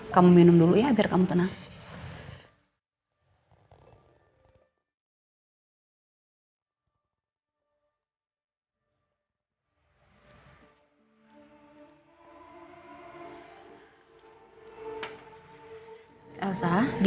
kamu minum dulu ya biar kamu tenang